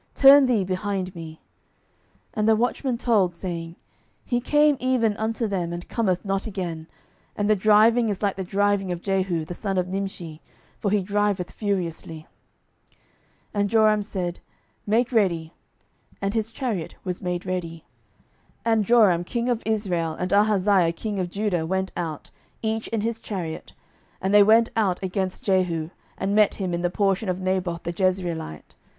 turn thee behind me. 12:009:020 And the watchman told, saying, He came even unto them, and cometh not again: and the driving is like the driving of Jehu the son of Nimshi; for he driveth furiously. 12:009:021 And Joram said, Make ready. And his chariot was made ready. And Joram king of Israel and Ahaziah king of Judah went out, each in his chariot, and they went out against Jehu, and met him in the portion of Naboth the Jezreelite.